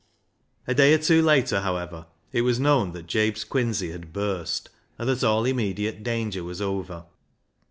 A day or two later, however, it was known that Jabe's quinsy had burst, and that all immediate danger was over.